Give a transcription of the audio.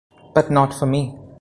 But not for me.